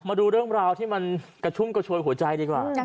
มาดูเรื่องราวที่มันกระชุ่มกระชวยหัวใจดีกว่า